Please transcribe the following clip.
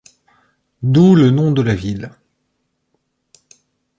D'où le nom de la ville.